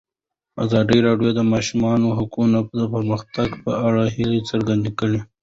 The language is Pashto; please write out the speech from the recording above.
ازادي راډیو د د ماشومانو حقونه د پرمختګ په اړه هیله څرګنده کړې.